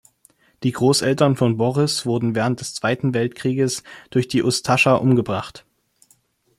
Die Großeltern von Boris wurden während des Zweiten Weltkrieges durch die Ustascha umgebracht.